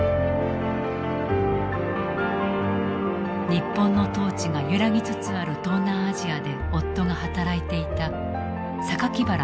日本の統治が揺らぎつつある東南アジアで夫が働いていた原喜佐子。